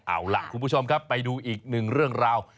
เอาล่ะคุณผู้ชมครับไปดูอีกหนึ่งเรื่องราว